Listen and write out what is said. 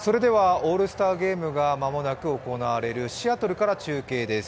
オールスターゲームがまもなく行われるシアトルから中継です。